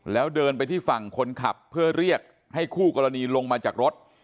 แล้วเดินไปที่ฝั่งคนขับเพื่อเรียกให้คู่กรณีลงมาจากรถ